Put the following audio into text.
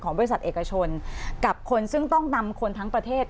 บริษัทเอกชนกับคนซึ่งต้องนำคนทั้งประเทศ